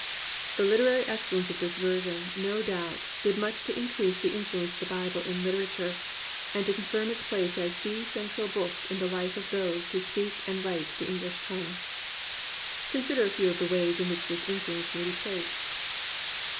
The Hterary excellence of this version, no doubt, did much to increase the influence of the Bible in literature and confirm its place as the central book in the life of those who speak and write the English tongue. Consider a few of the ways in which this influence may be traced.